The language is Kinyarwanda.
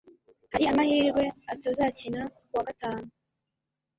Hari amahirwe atazakina kuwa gatanu.